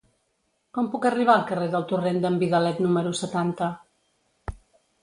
Com puc arribar al carrer del Torrent d'en Vidalet número setanta?